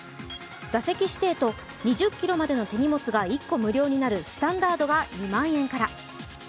座席指定と２０ｋｇまでの手荷物が１個無料になるスタンダードが２万円から。